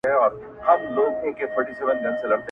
• پردي به ولي ورته راتللای -